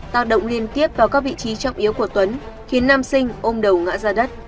tạo động liên tiếp vào các vị trí trọng yếu của tuấn khiến nam sinh ôm đầu ngã ra đất